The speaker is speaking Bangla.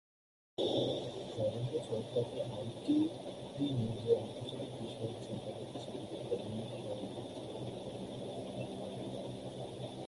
পরের বছর তাকে আইটিভি নিউজের আন্তর্জাতিক বিষয়ক সম্পাদক হিসাবে পদোন্নতি দেওয়া হয়েছিল।